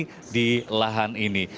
berdiri di lahan ini